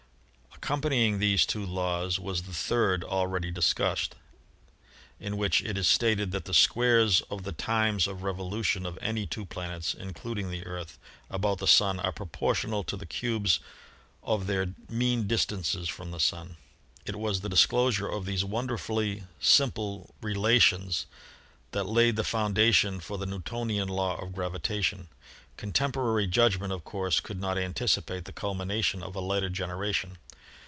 Accompanying these two laws was the third, already discussed, in which it is stated that the squares of the times of revolution of any two planets (including the Earth) about the Sun are proportional to the cubes of their mean distances from the Sun. It was the disclosure of these wonderfully simple rela THE SOLAR SYSTEM 79 tions that laid the foundation for the Newtonian law of gravitation. Contemporary judgment, of course, could not anticipate the culmination of a later generation.